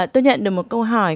tôi nhận được một câu hỏi